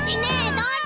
どっち？